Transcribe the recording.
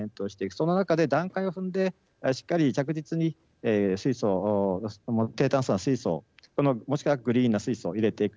その中で段階を踏んでしっかり着実に水素を低炭素の水素を、もしくはグリーンの水素を入れていく。